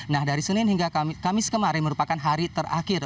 nah dari senin hingga kamis kemarin merupakan hari terakhir